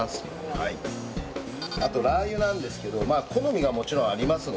あとラー油なんですけど好みがもちろんありますのでね